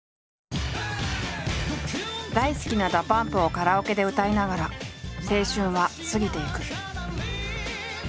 大好きなＤＡＰＵＭＰをカラオケで歌いながら青春は過ぎていく。